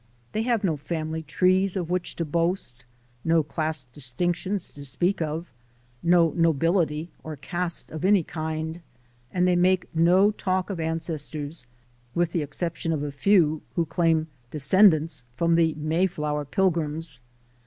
They have no family trees of which to boast, no class distinctions to speak of, no nobility or caste of any kind, and they make no talk of ancestors, with the exception of a few who claim descendence from the "Mayflower Pilgrims."